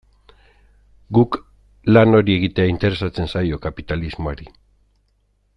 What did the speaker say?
Guk lan hori egitea interesatzen zaio kapitalismoari.